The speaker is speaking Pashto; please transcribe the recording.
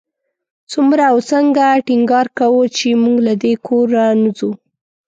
څومره او څنګه ټینګار کاوه چې موږ له دې کوره نه ځو.